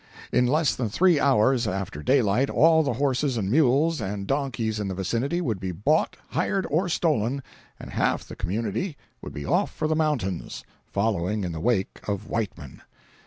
In less than three hours after daylight all the horses and mules and donkeys in the vicinity would be bought, hired or stolen, and half the community would be off for the mountains, following in the wake of Whiteman.